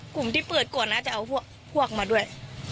กลุ่มที่เปลือกวดนะจะเอาพวกมาด้วย